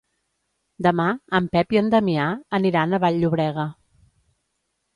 Demà en Pep i en Damià aniran a Vall-llobrega.